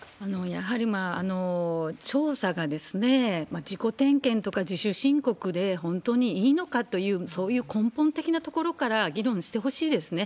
やはり調査が自己点検とか自主申告で本当にいいのかという、そういう根本的なところから議論してほしいですね。